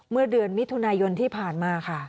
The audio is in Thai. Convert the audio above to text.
เมื่อเดือนมิถุนายนที่ผ่านมาค่ะ